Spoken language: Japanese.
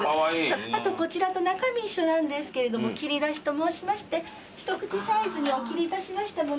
あとこちらと中身一緒なんですけれども切り出しと申しまして一口サイズにお切りいたしましたものが。